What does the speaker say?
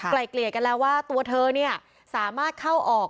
ไกล่เกลี่ยกันแล้วว่าตัวเธอสามารถเข้าออก